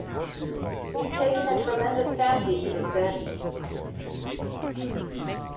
We've taken a tremendous fancy to this bit.